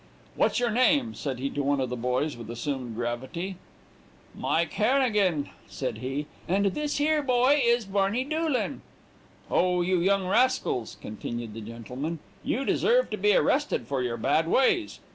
"'What's your name,' said he to one of the boys with assumed gravity. "'Mike Hannegan,' said he, 'and this 'ere boy is Barney Doolan.' "'Oh, you young rascals,' continued the gentleman, 'you deserve to be arrested for your bad ways.